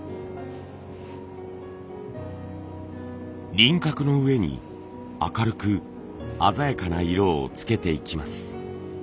輪郭の上に明るく鮮やかな色をつけていきます。